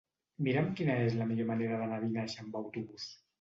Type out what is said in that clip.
Mira'm quina és la millor manera d'anar a Vinaixa amb autobús.